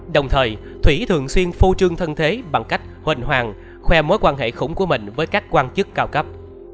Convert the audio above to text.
đồng thời thủy thường xuyên phô trương thân thế bằng cách huỳnh hoàng khoe mối quan hệ khủng của mình với các quan chức cao cấp